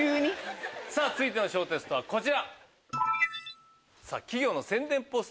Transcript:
さぁ続いての小テストはこちら。